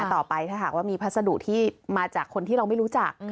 ต่อไปถ้าหากว่ามีพัสดุที่มาจากคนที่เราไม่รู้จัก